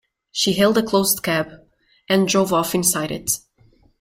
She hailed a closed cab and drove off inside it.